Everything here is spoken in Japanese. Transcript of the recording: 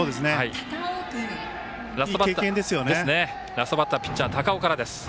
ラストバッターピッチャーの高尾からです。